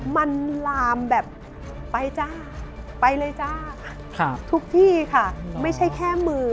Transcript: มันลามแบบไปจ้าไปเลยจ้าครับทุกที่ค่ะไม่ใช่แค่มือ